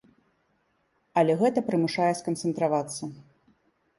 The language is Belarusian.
Але гэта прымушае сканцэнтравацца.